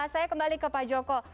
saya kembali ke pak joko